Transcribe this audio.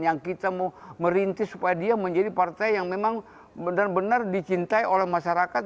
yang kita mau merintis supaya dia menjadi partai yang memang benar benar dicintai oleh masyarakat